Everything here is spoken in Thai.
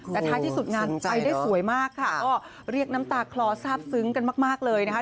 แต่ท้ายที่สุดงานไปได้สวยมากค่ะก็เรียกน้ำตาคลอทราบซึ้งกันมากเลยนะคะ